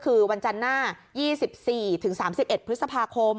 คือวันจันทร์หน้า๒๔๓๑พฤษภาคม